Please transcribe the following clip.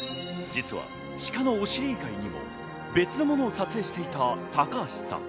実はシカのお尻以外にも別のものを撮影していた高橋さん。